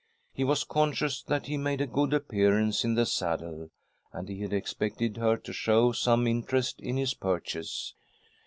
He was conscious that he made a good appearance in the saddle, and he had expected her to show some interest in his purchase.